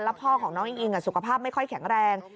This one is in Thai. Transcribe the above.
พ่อของน้องอิงอิงสุขภาพไม่ค่อยแข็งแรง